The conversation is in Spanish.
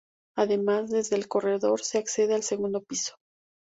Además, desde el corredor se accede al segundo piso.